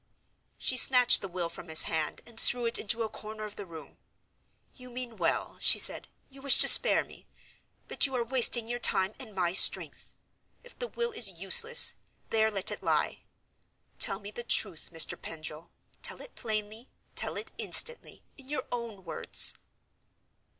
She snatched the will from his hand, and threw it into a corner of the room. "You mean well," she said; "you wish to spare me—but you are wasting your time, and my strength. If the will is useless, there let it lie. Tell me the truth, Mr. Pendril—tell it plainly, tell it instantly, in your own words!"